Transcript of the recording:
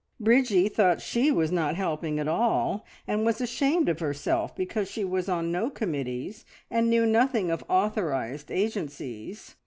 Bridgie thought she was not helping at all, and was ashamed of herself because she was on no committees, and knew nothing of authorised agencies.